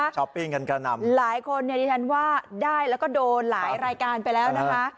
ปิ้งกันกระหน่ำหลายคนเนี่ยดิฉันว่าได้แล้วก็โดนหลายรายการไปแล้วนะคะ